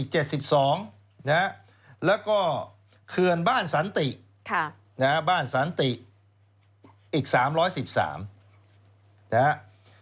อีก๓หลังที่นั่นนะครับ